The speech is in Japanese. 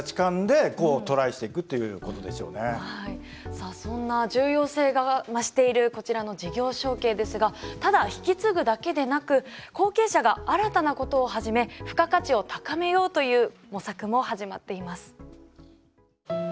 さあそんな重要性が増しているこちらの事業承継ですがただ引き継ぐだけでなく後継者が新たなことを始め付加価値を高めようという模索も始まっています。